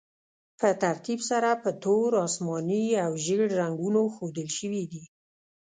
په ترتیب سره په تور، اسماني او ژیړ رنګونو ښودل شوي دي.